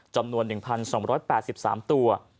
จำนวน๑๒๘๓ตัว